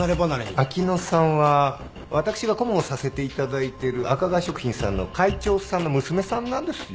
明乃さんは私が顧問させていただいてる赤川食品さんの会長さんの娘さんなんですよ。